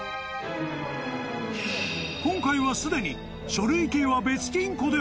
［今回はすでに］